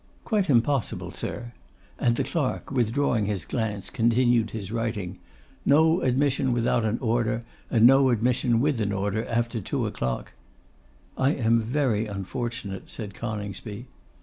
'Quite impossible, sir;' and the clerk, withdrawing his glance, continued his writing. 'No admission without an order, and no admission with an order after two o'clock.' 'I am very unfortunate,' said Coningsby.